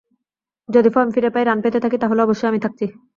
যদি ফর্ম ফিরে পাই, রান পেতে থাকি, তাহলে অবশ্যই আমি থাকছি।